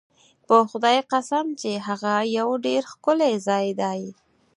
په خدای قسم چې هغه یو ډېر ښکلی ځای دی.